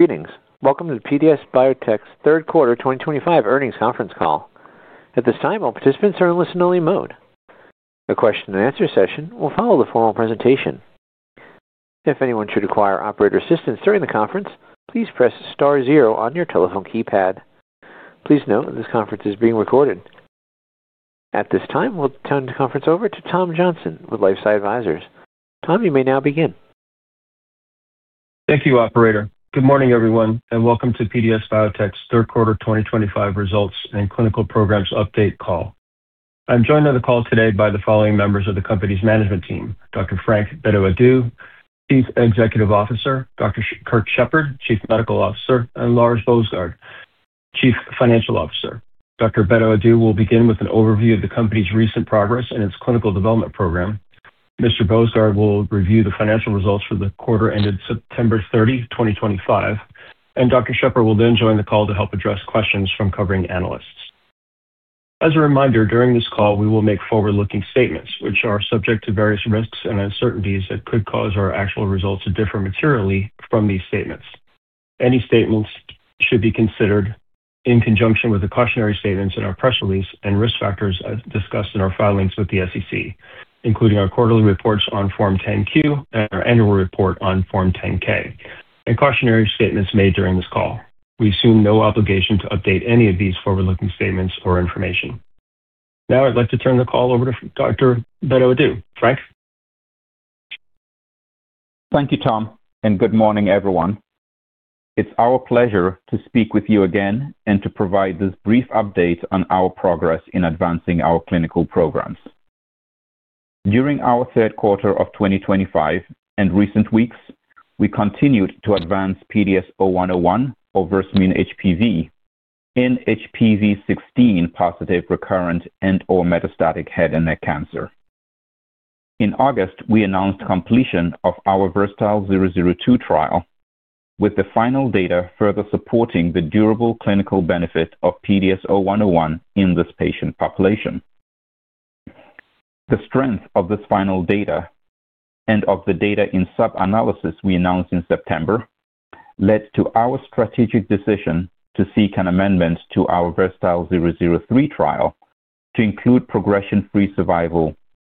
Greetings. Welcome to the PDS Biotechnology third quarter 2025 earnings conference call. At this time, all participants are in listen-only mode. The question-and-answer session will follow the formal presentation. If anyone should require operator assistance during the conference, please press star zero on your telephone keypad. Please note that this conference is being recorded. At this time, we'll turn the conference over to Tom Johnson with LifeSci Advisors. Tom, you may now begin. Thank you, Operator. Good morning, everyone, and welcome to PDS Biotechnology's third quarter 2025 results and clinical programs update call. I'm joined on the call today by the following members of the company's management team: Dr. Frank Bedu-Addo, Chief Executive Officer; Dr. Kirk Shepard, Chief Medical Officer; and Lars Boesgaard, Chief Financial Officer. Dr. Bedu-Addo will begin with an overview of the company's recent progress and its clinical development program. Mr. Boesgaard will review the financial results for the quarter ended September 30, 2025, and Dr. Shepard will then join the call to help address questions from covering analysts. As a reminder, during this call, we will make forward-looking statements, which are subject to various risks and uncertainties that could cause our actual results to differ materially from these statements. Any statements should be considered in conjunction with the cautionary statements in our press release and risk factors discussed in our filings with the SEC, including our quarterly reports on Form 10-Q and our annual report on Form 10-K, and cautionary statements made during this call. We assume no obligation to update any of these forward-looking statements or information. Now, I'd like to turn the call over to Dr. Frank Bedu-Addo. Thank you, Tom, and good morning, everyone. It's our pleasure to speak with you again and to provide this brief update on our progress in advancing our clinical programs. During our third quarter of 2025 and recent weeks, we continued to advance PDS0101 or Versamune HPV in HPV-16 positive recurrent and/or metastatic head and neck cancer. In August, we announced completion of our VERSATILE-002 trial, with the final data further supporting the durable clinical benefit of PDS0101 in this patient population. The strength of this final data and of the data in Sub-analysis we announced in September led to our strategic decision to seek an amendment to our VERSATILE-003 trial to include Progression-free survival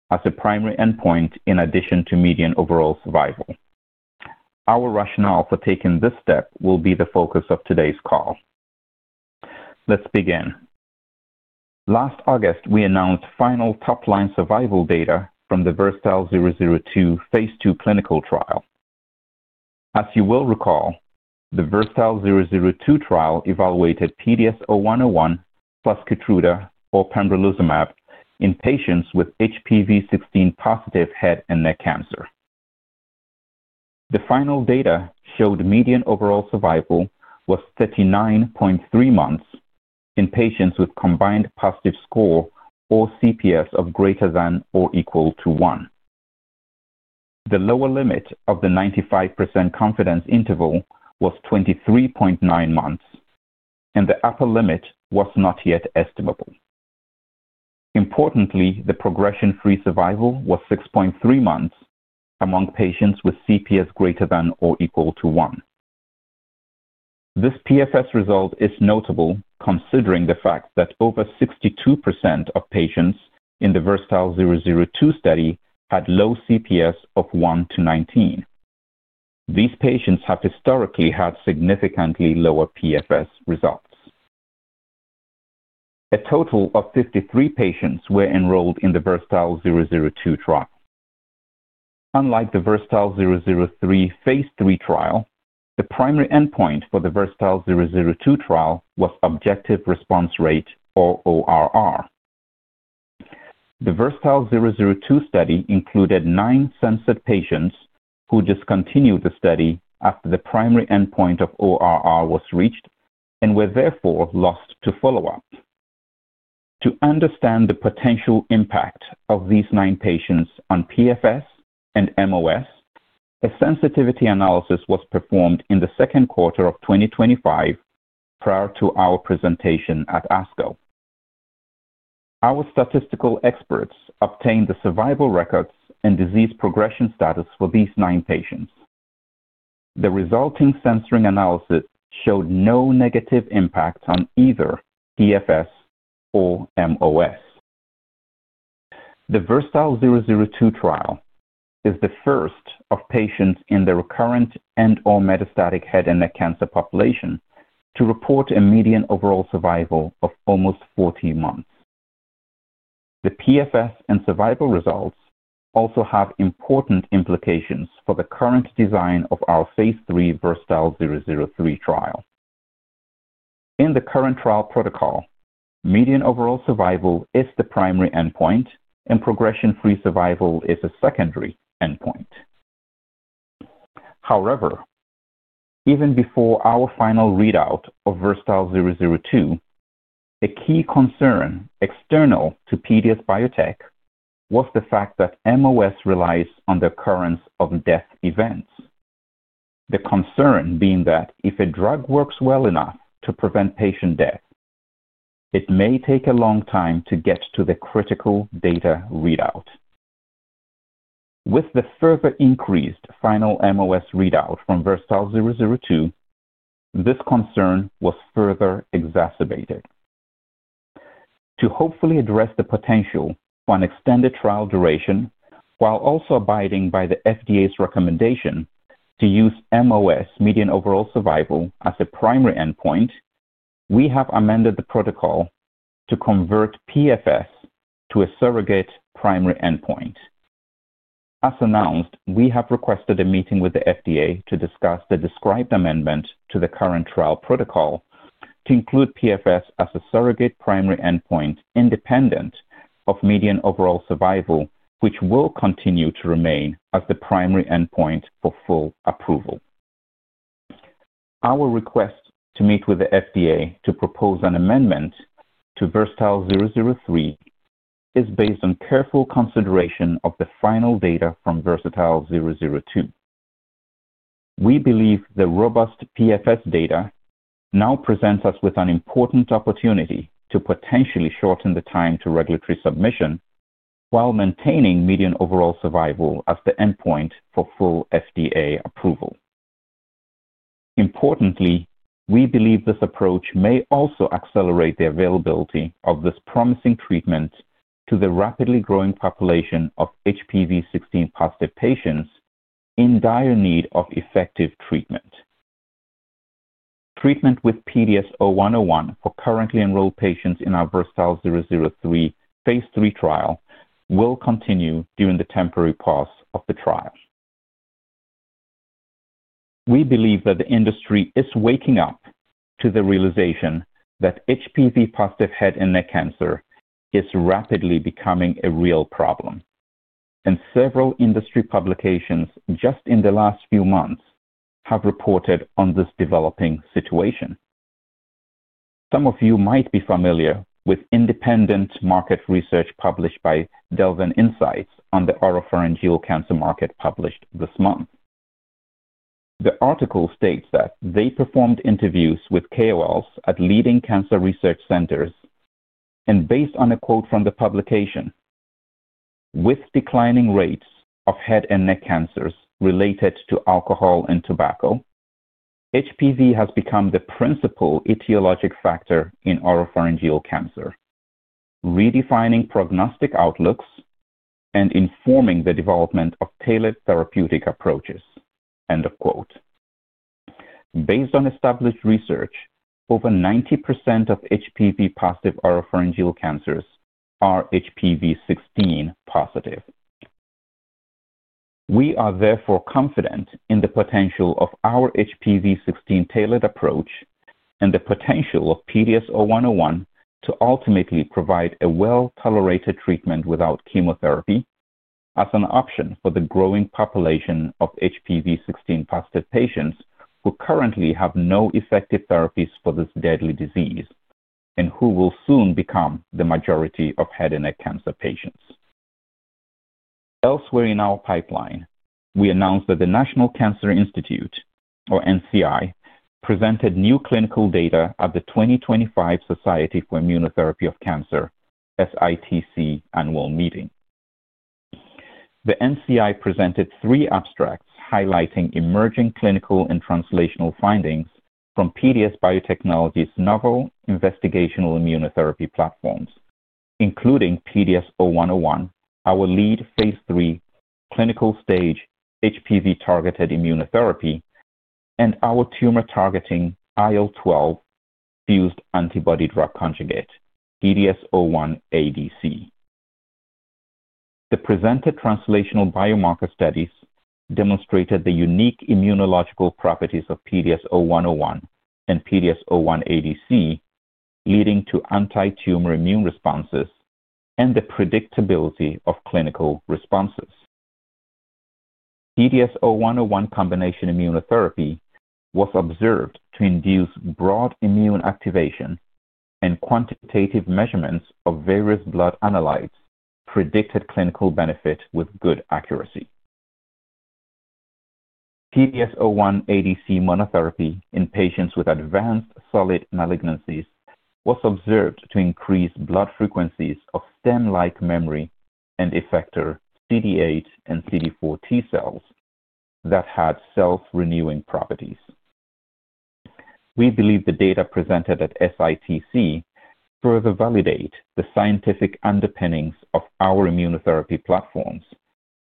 as a primary endpoint in addition to Median overall survival. Our rationale for taking this step will be the focus of today's call. Let's begin. Last August, we announced final top-line survival data from the VERSATILE-002 phase two clinical trial. As you will recall, the VERSATILE-002 trial evaluated PDS0101 plus Keytruda or Pembrolizumab in patients with HPV-16 positive head and neck cancer. The final data showed Median overall survival was 39.3 months in patients with combined positive score or CPS of greater than or equal to one. The lower limit of the 95% confidence interval was 23.9 months, and the upper limit was not yet estimable. Importantly, the Progression-free survival was 6.3 months among patients with CPS greater than or equal to one. This PFS result is notable considering the fact that over 62% of patients in the VERSATILE-002 study had low CPS of 1-19. These patients have historically had significantly lower PFS results. A total of 53 patients were enrolled in the VERSATILE-002 trial. Unlike the VERSATILE-003 phase three trial, the primary endpoint for the VERSATILE-002 trial was objective response rate or ORR. The VERSATILE-002 study included nine sensitive patients who discontinued the study after the primary endpoint of ORR was reached and were therefore lost to follow-up. To understand the potential impact of these nine patients on PFS and mOS, a sensitivity analysis was performed in the second quarter of 2025 prior to our presentation at ASCO. Our statistical experts obtained the survival records and disease progression status for these nine patients. The resulting sensitivity analysis showed no negative impact on either PFS or mOS. The VERSATILE-002 trial is the first of patients in the recurrent and/or metastatic head and neck cancer population to report a Median overall survival of almost 40 months. The PFS and survival results also have important implications for the current design of our phase three VERSATILE-003 trial. In the current trial protocol, Median overall survival is the primary endpoint, and Progression-free survival is a secondary endpoint. However, even before our final readout of VERSATILE-002, a key concern external to PDS Biotechnology was the fact that mOS relies on the occurrence of death events. The concern being that if a drug works well enough to prevent patient death, it may take a long time to get to the critical data readout. With the further increased final mOS readout from VERSATILE-002, this concern was further exacerbated. To hopefully address the potential for an extended trial duration while also abiding by the FDA's recommendation to use mOS Median overall survival as a primary endpoint, we have amended the protocol to convert PFS to a surrogate primary endpoint. As announced, we have requested a meeting with the FDA to discuss the described amendment to the current trial protocol to include PFS as a surrogate primary endpoint independent of Median overall survival, which will continue to remain as the primary endpoint for full approval. Our request to meet with the FDA to propose an amendment to VERSATILE-003 is based on careful consideration of the final data from VERSATILE-002. We believe the robust PFS data now presents us with an important opportunity to potentially shorten the time to regulatory submission while maintaining Median overall survival as the endpoint for full FDA approval. Importantly, we believe this approach may also accelerate the availability of this promising treatment to the rapidly growing population of HPV-16 positive patients in dire need of effective treatment. Treatment with PDS0101 for currently enrolled patients in our VERSATILE-003 phase three trial will continue during the temporary pause of the trial. We believe that the industry is waking up to the realization that HPV-positive head and neck cancer is rapidly becoming a real problem, and several industry publications just in the last few months have reported on this developing situation. Some of you might be familiar with independent market research published by Delvin Insights on the oropharyngeal cancer market published this month. The article states that they performed interviews with KOLs at leading cancer research centers and based on a quote from the publication, "With declining rates of head and neck cancers related to alcohol and tobacco, HPV has become the principal etiologic factor in oropharyngeal cancer, redefining prognostic outlooks and informing the development of tailored therapeutic approaches." Based on established research, over 90% of HPV positive oropharyngeal cancers are HPV-16 positive. We are therefore confident in the potential of our HPV-16 tailored approach and the potential of PDS0101 to ultimately provide a well-tolerated treatment without chemotherapy as an option for the growing population of HPV-16 positive patients who currently have no effective therapies for this deadly disease and who will soon become the majority of head and neck cancer patients. Elsewhere in our pipeline, we announced that the National Cancer Institute, or NCI, presented new clinical data at the 2025 Society for Immunotherapy of Cancer SITC annual meeting. The NCI presented three abstracts highlighting emerging clinical and translational findings from PDS Biotechnology's novel investigational immunotherapy platforms, including PDS0101, our lead phase three clinical stage HPV-targeted immunotherapy, and our tumor-targeting IL-12 fused antibody drug conjugate, PDS01ADC. The presented translational biomarker studies demonstrated the unique immunological properties of PDS0101 and PDS01ADC, leading to anti-tumor immune responses and the predictability of clinical responses. PDS0101 combination immunotherapy was observed to induce broad immune activation, and quantitative measurements of various blood analytes predicted clinical benefit with good accuracy. PDS01ADC monotherapy in patients with advanced solid malignancies was observed to increase blood frequencies of stem-like memory and effector CD8 and CD4 T cells that had self-renewing properties. We believe the data presented at SITC further validate the scientific underpinnings of our immunotherapy platforms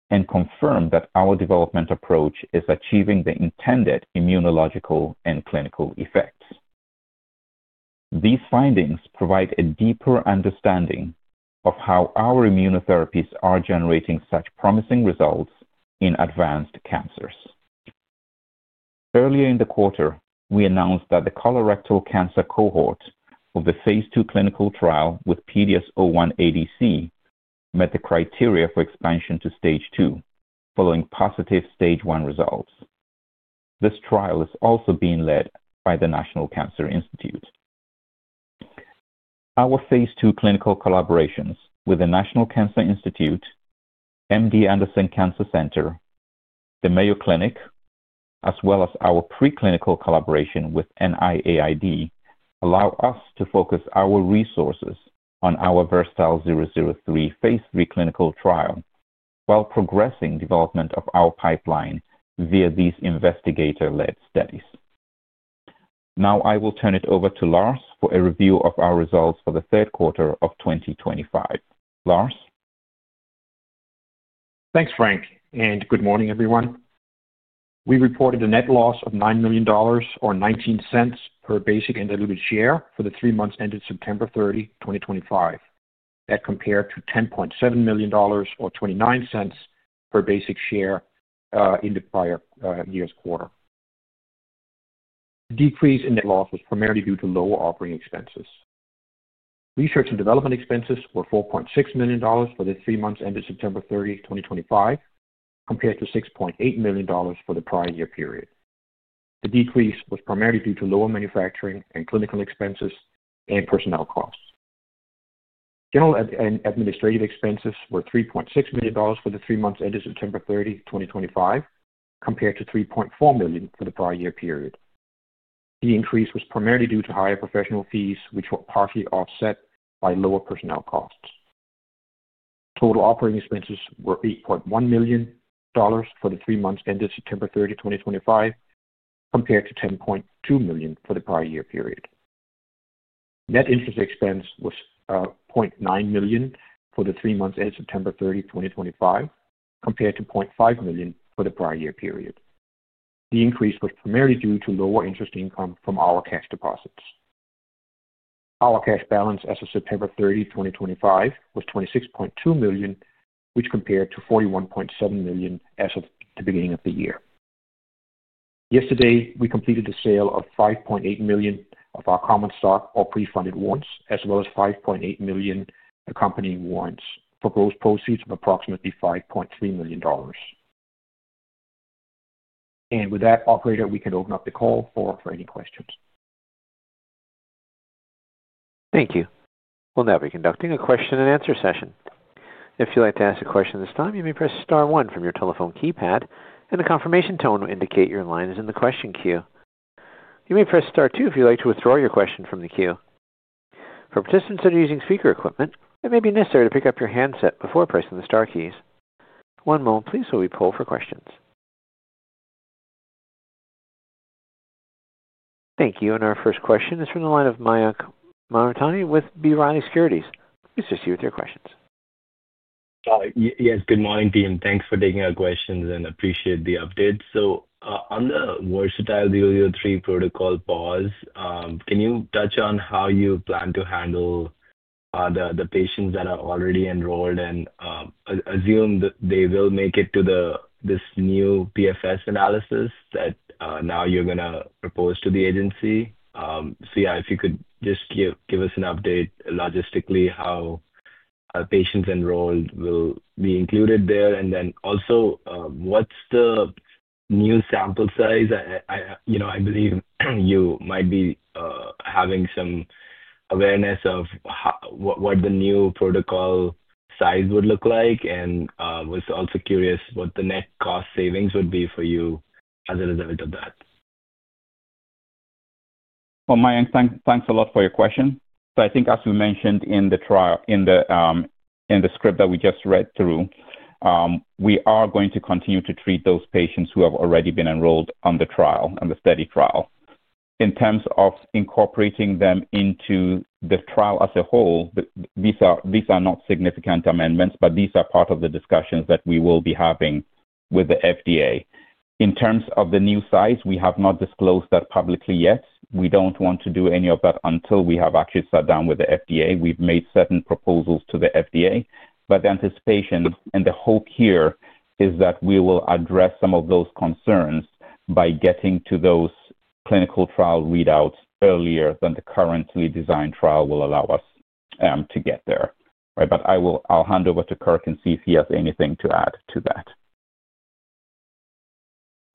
and confirm that our development approach is achieving the intended immunological and clinical effects. These findings provide a deeper understanding of how our immunotherapies are generating such promising results in advanced cancers. Earlier in the quarter, we announced that the colorectal cancer cohort of the phase two clinical trial with PDS01ADC met the criteria for expansion to stage two following positive stage one results. This trial is also being led by the National Cancer Institute. Our phase two clinical collaborations with the National Cancer Institute, MD Anderson Cancer Center, Mayo Clinic, as well as our preclinical collaboration with NIAID, allow us to focus our resources on our VERSATILE-003 phase three clinical trial while progressing development of our pipeline via these investigator-led studies. Now, I will turn it over to Lars for a review of our results for the third quarter of 2025. Lars. Thanks, Frank, and good morning, everyone. We reported a net loss of $9 million or $0.19 per basic and diluted share for the three months ended September 30, 2025. That compared to $10.7 million or $0.29 per basic share in the prior year's quarter. The decrease in net loss was primarily due to lower operating expenses. Research and development expenses were $4.6 million for the three months ended September 30, 2025, compared to $6.8 million for the prior year period. The decrease was primarily due to lower manufacturing and clinical expenses and personnel costs. General and administrative expenses were $3.6 million for the three months ended September 30, 2025, compared to $3.4 million for the prior year period. The increase was primarily due to higher professional fees, which were partially offset by lower personnel costs. Total operating expenses were $8.1 million for the three months ended September 30, 2025, compared to $10.2 million for the prior year period. Net interest expense was $0.9 million for the three months ended September 30, 2025, compared to $0.5 million for the prior year period. The increase was primarily due to lower interest income from our cash deposits. Our cash balance as of September 30, 2025, was $26.2 million, which compared to $41.7 million as of the beginning of the year. Yesterday, we completed the sale of $5.8 million of our common stock or pre-funded warrants, as well as $5.8 million accompanying warrants for gross proceeds of approximately $5.3 million. Operator, we can open up the call for any questions. Thank you. We'll now be conducting a question-and-answer session. If you'd like to ask a question at this time, you may press star one from your telephone keypad, and the confirmation tone will indicate your line is in the question queue. You may press star two if you'd like to withdraw your question from the queue. For participants that are using speaker equipment, it may be necessary to pick up your handset before pressing the star keys. One moment, please, while we pull for questions. Thank you. Our first question is from the line of Mayank Mamtani with B. Riley Securities. Please proceed with your questions. Yes, good morning, Deanne. Thanks for taking our questions and appreciate the update. On the VERSATILE-003 protocol pause, can you touch on how you plan to handle the patients that are already enrolled and assume that they will make it to this new PFS analysis that now you're going to propose to the agency? If you could just give us an update logistically how patients enrolled will be included there. Also, what's the new sample size? I believe you might be having some awareness of what the new protocol size would look like, and was also curious what the net cost savings would be for you as a result of that. Mayank, thanks a lot for your question. I think, as we mentioned in the script that we just read through, we are going to continue to treat those patients who have already been enrolled on the trial, on the study trial. In terms of incorporating them into the trial as a whole, these are not significant amendments, but these are part of the discussions that we will be having with the FDA. In terms of the new size, we have not disclosed that publicly yet. We do not want to do any of that until we have actually sat down with the FDA. We have made certain proposals to the FDA, but the anticipation and the hope here is that we will address some of those concerns by getting to those clinical trial readouts earlier than the currently designed trial will allow us to get there. I'll hand over to Kirk and see if he has anything to add to that.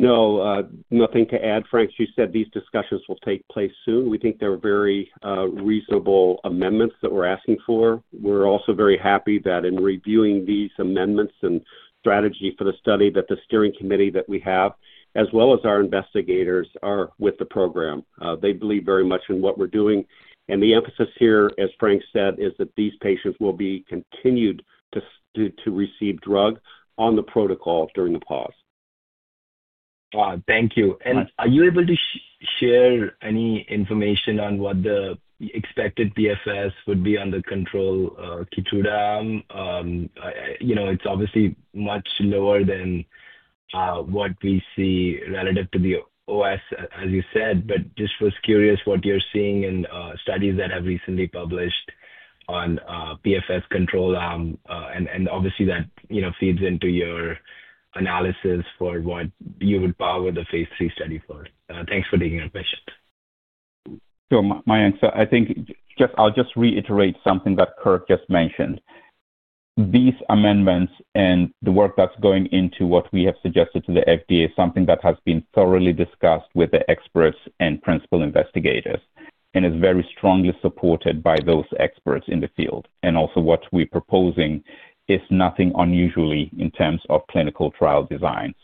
No, nothing to add. Frank, you said these discussions will take place soon. We think there are very reasonable amendments that we're asking for. We're also very happy that in reviewing these amendments and strategy for the study, that the steering committee that we have, as well as our investigators, are with the program. They believe very much in what we're doing. The emphasis here, as Frank said, is that these patients will be continued to receive drug on the protocol during the pause. Thank you. Are you able to share any information on what the expected PFS would be on the control Keytruda? It's obviously much lower than what we see relative to the OS, as you said, but just was curious what you're seeing in studies that have recently published on PFS control arm and obviously that feeds into your analysis for what you would power the phase three study for. Thanks for taking our questions. Sure, Mayank. I think I'll just reiterate something that Kirk just mentioned. These amendments and the work that's going into what we have suggested to the FDA is something that has been thoroughly discussed with the experts and principal investigators and is very strongly supported by those experts in the field. Also, what we're proposing is nothing unusual in terms of clinical trial design.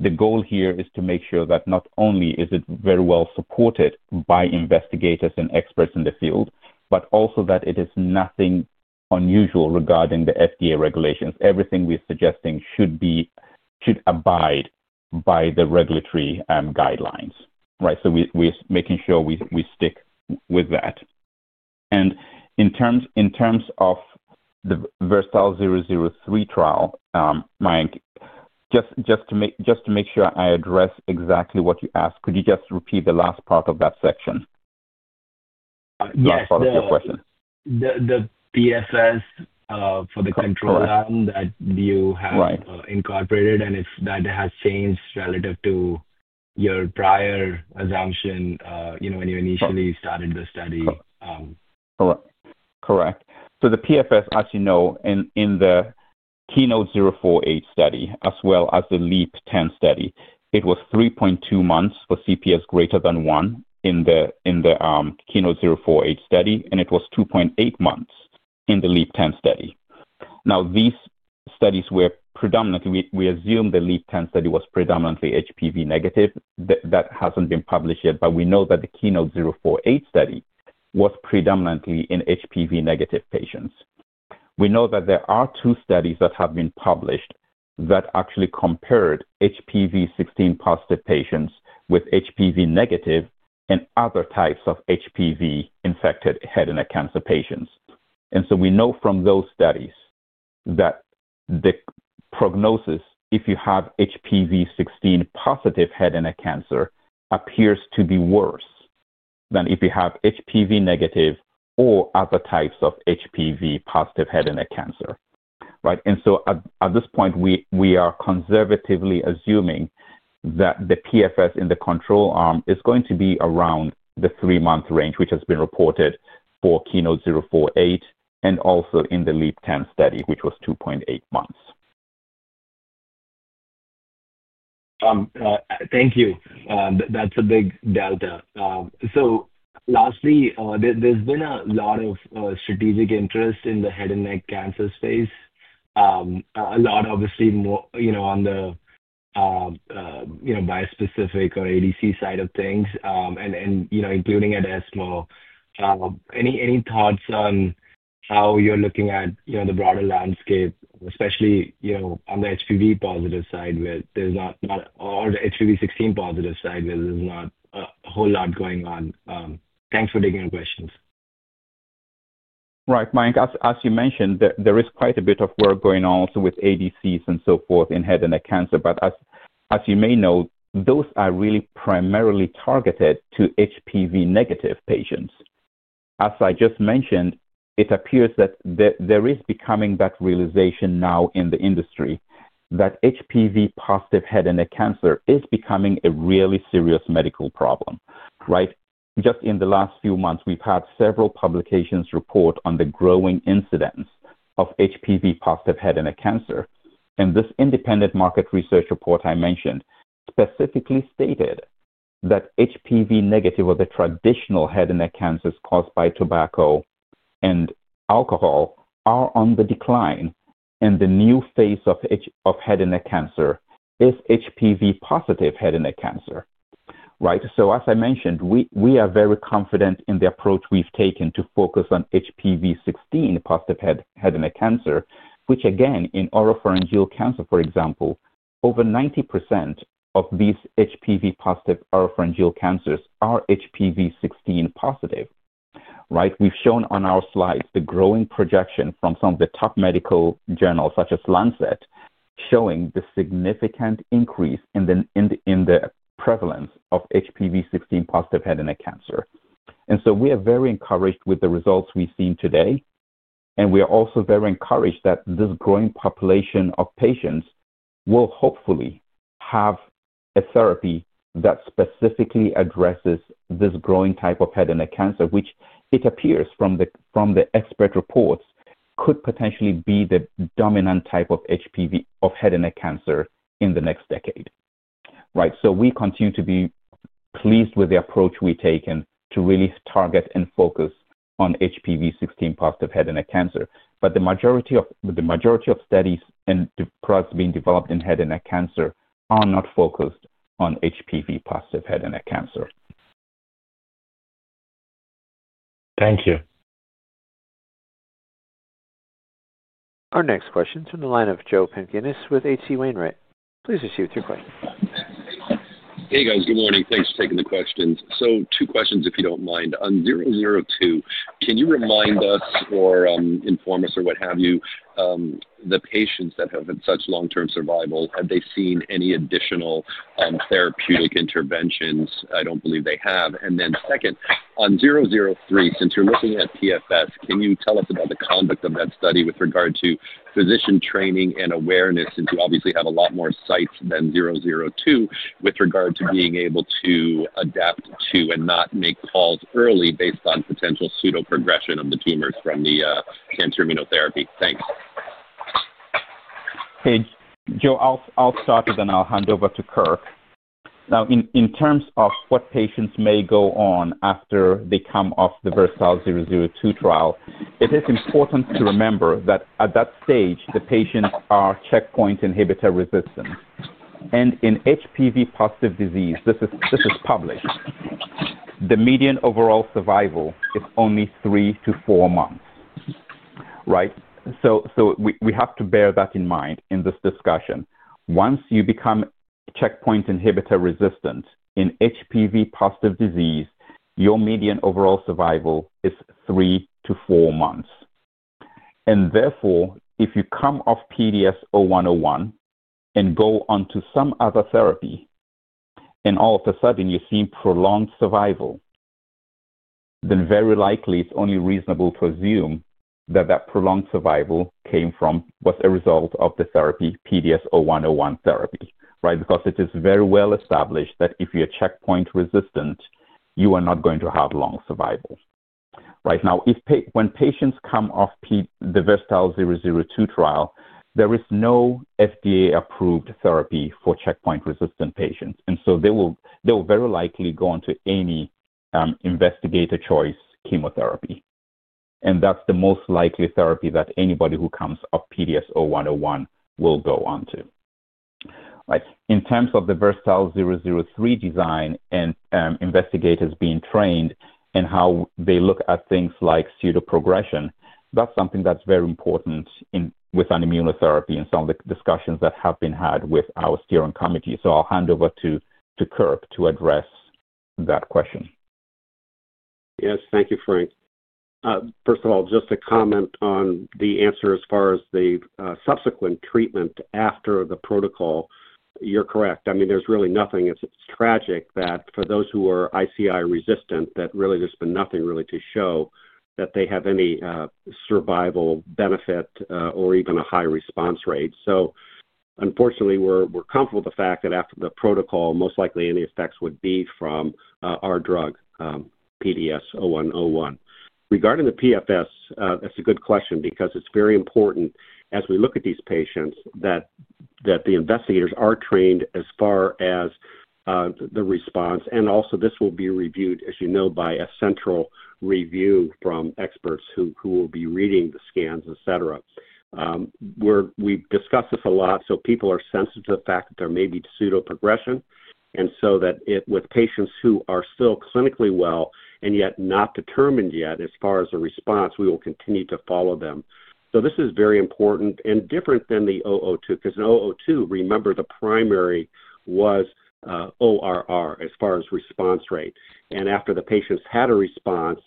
The goal here is to make sure that not only is it very well supported by investigators and experts in the field, but also that it is nothing unusual regarding the FDA regulations. Everything we're suggesting should abide by the regulatory guidelines. We're making sure we stick with that. In terms of the VERSATILE-003 trial, Mayank, just to make sure I address exactly what you asked, could you just repeat the last part of that section? Last part of your question. Yes. The PFS for the control arm that you have incorporated and if that has changed relative to your prior assumption when you initially started the study? Correct. Correct. The PFS, as you know, in the KEYNOTE-048 study, as well as the LEAP-10 study, it was 3.2 months for CPS greater than 1 in the KEYNOTE-048 study, and it was 2.8 months in the LEAP-10 study. These studies were predominantly, we assume the LEAP-10 study was predominantly HPV negative. That has not been published yet, but we know that the KEYNOTE-048 study was predominantly in HPV negative patients. We know that there are two studies that have been published that actually compared HPV-16 positive patients with HPV negative and other types of HPV infected head and neck cancer patients. We know from those studies that the prognosis, if you have HPV-16 positive head and neck cancer, appears to be worse than if you have HPV negative or other types of HPV positive head and neck cancer. At this point, we are conservatively assuming that the PFS in the control arm is going to be around the three-month range, which has been reported for KEYNOTE-048 and also in the LEAP-10 study, which was 2.8 months. Thank you. That's a big delta. Lastly, there's been a lot of strategic interest in the head and neck cancer space, a lot obviously on the bispecific or ADC side of things, including at ESMO. Any thoughts on how you're looking at the broader landscape, especially on the HPV positive side where there's not, or the HPV-16 positive side where there's not a whole lot going on? Thanks for taking our questions. Right. Mayank, as you mentioned, there is quite a bit of work going on also with ADCs and so forth in head and neck cancer, but as you may know, those are really primarily targeted to HPV negative patients. As I just mentioned, it appears that there is becoming that realization now in the industry that HPV positive head and neck cancer is becoming a really serious medical problem. Just in the last few months, we've had several publications report on the growing incidence of HPV positive head and neck cancer. This independent market research report I mentioned specifically stated that HPV negative or the traditional head and neck cancers caused by tobacco and alcohol are on the decline and the new phase of head and neck cancer is HPV positive head and neck cancer. As I mentioned, we are very confident in the approach we've taken to focus on HPV-16 positive head and neck cancer, which again, in oropharyngeal cancer, for example, over 90% of these HPV positive oropharyngeal cancers are HPV-16 positive. We've shown on our slides the growing projection from some of the top medical journals such as Lancet showing the significant increase in the prevalence of HPV-16 positive head and neck cancer. We are very encouraged with the results we've seen today, and we are also very encouraged that this growing population of patients will hopefully have a therapy that specifically addresses this growing type of head and neck cancer, which it appears from the expert reports could potentially be the dominant type of head and neck cancer in the next decade. We continue to be pleased with the approach we've taken to really target and focus on HPV-16 positive head and neck cancer, but the majority of studies and products being developed in head and neck cancer are not focused on HPV positive head and neck cancer. Thank you. Our next question is from the line of Joe Pampena with H.C. Wainwright. Please proceed with your question. Hey, guys. Good morning. Thanks for taking the questions. Two questions, if you don't mind. On 002, can you remind us or inform us or what have you, the patients that have had such long-term survival, have they seen any additional therapeutic interventions? I don't believe they have. Second, on 003, since you're looking at PFS, can you tell us about the conduct of that study with regard to physician training and awareness since you obviously have a lot more sites than 002 with regard to being able to adapt to and not make calls early based on potential pseudoprogression of the tumors from the cancer immunotherapy? Thanks. Hey, Joe, I'll start it, and I'll hand over to Kirk. Now, in terms of what patients may go on after they come off the VERSATILE-002 trial, it is important to remember that at that stage, the patients are checkpoint inhibitor resistant. In HPV positive disease, this is published, the median overall survival is only three to four months. We have to bear that in mind in this discussion. Once you become checkpoint inhibitor resistant in HPV positive disease, your median overall survival is three to four months. Therefore, if you come off PDS0101 and go on to some other therapy, and all of a sudden you've seen prolonged survival, then very likely it's only reasonable to assume that that prolonged survival came from, was a result of, the therapy, PDS0101 therapy, because it is very well established that if you're checkpoint resistant, you are not going to have long survival. Now, when patients come off the VERSATILE-002 trial, there is no FDA-approved therapy for checkpoint resistant patients. They will very likely go on to any investigator-choice chemotherapy. That's the most likely therapy that anybody who comes off PDS0101 will go on to. In terms of the VERSATILE-003 design and investigators being trained and how they look at things like pseudoprogression, that's something that's very important with an immunotherapy and some of the discussions that have been had with our steering committee. I'll hand over to Kirk to address that question. Yes. Thank you, Frank. First of all, just a comment on the answer as far as the subsequent treatment after the protocol. You're correct. I mean, there's really nothing. It's tragic that for those who are ICI resistant, that really there's been nothing really to show that they have any survival benefit or even a high response rate. Unfortunately, we're comfortable with the fact that after the protocol, most likely any effects would be from our drug, PDS0101. Regarding the PFS, that's a good question because it's very important as we look at these patients that the investigators are trained as far as the response. Also, this will be reviewed, as you know, by a central review from experts who will be reading the scans, etc. We've discussed this a lot. People are sensitive to the fact that there may be pseudoprogression. With patients who are still clinically well and yet not determined yet as far as the response, we will continue to follow them. This is very important and different than the 002 because 002, remember, the primary was ORR as far as response rate. After the patients had a response,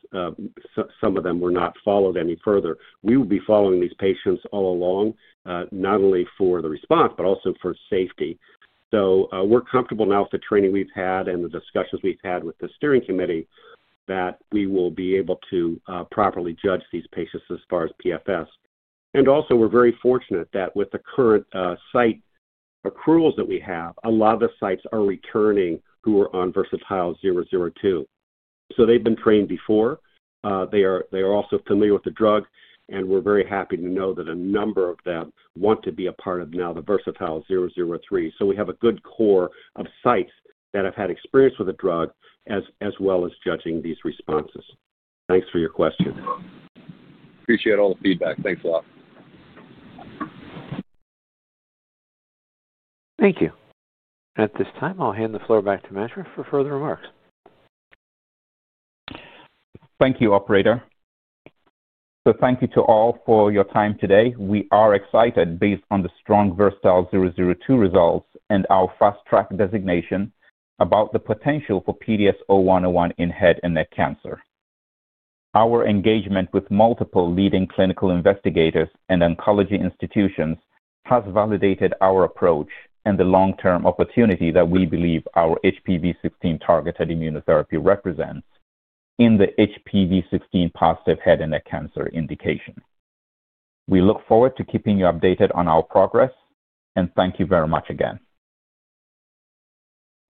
some of them were not followed any further. We will be following these patients all along, not only for the response, but also for safety. We are comfortable now with the training we have had and the discussions we have had with the steering committee that we will be able to properly judge these patients as far as PFS. We are also very fortunate that with the current site accruals that we have, a lot of the sites are returning who were on VERSATILE-002. They have been trained before. They are also familiar with the drug, and we're very happy to know that a number of them want to be a part of now the VERSATILE-003. We have a good core of sites that have had experience with the drug as well as judging these responses. Thanks for your question. Appreciate all the feedback. Thanks a lot. Thank you. At this time, I'll hand the floor back to Matthew for further remarks. Thank you, Operator. Thank you to all for your time today. We are excited based on the strong VERSATILE-002 results and our fast-track designation about the potential for PDS0101 in head and neck cancer. Our engagement with multiple leading clinical investigators and oncology institutions has validated our approach and the long-term opportunity that we believe our HPV-16 targeted immunotherapy represents in the HPV-16 positive head and neck cancer indication. We look forward to keeping you updated on our progress, and thank you very much again.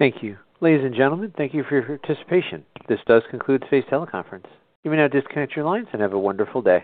Thank you. Ladies and gentlemen, thank you for your participation. This does conclude today's teleconference. You may now disconnect your lines and have a wonderful day.